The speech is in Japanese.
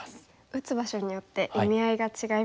打つ場所によって意味合いが違いますね。